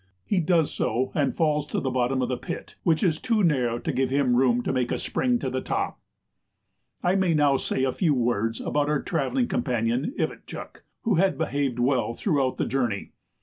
He does so, and falls to the bottom of the pit, which is too narrow to give him room to make a spring to the top. I may now say a few words about our travelling companion Ivitchuk, who had behaved well throughout the journey.